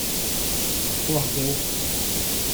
Portel